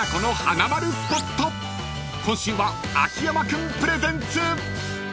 ［今週は秋山君プレゼンツ］